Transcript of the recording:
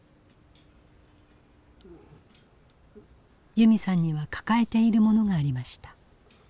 由美さんには抱えているものがありました。